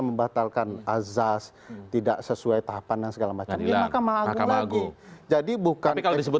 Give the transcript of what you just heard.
membatalkan azaz tidak sesuai tahapan dan segala macam ini mahkamah agung jadi bukan kalau disebut